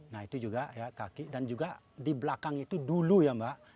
nah itu juga ya kaki dan juga di belakang itu dulu ya mbak